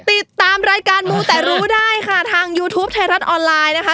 ติดตามรายการมูแต่รู้ได้ค่ะทางยูทูปไทยรัฐออนไลน์นะคะ